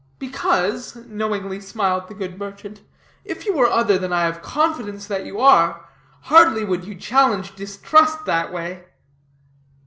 "Because," knowingly smiled the good merchant, "if you were other than I have confidence that you are, hardly would you challenge distrust that way."